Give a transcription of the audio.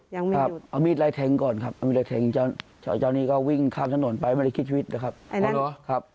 ครับเอามีดไล่แทงก่อนครับเอามีดไล่แทงเจ้านี่ก็วิ่งข้ามถนนไปไม่ได้คิดชีวิตนะครับ